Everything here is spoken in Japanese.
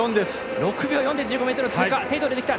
６秒４で１５ｍ。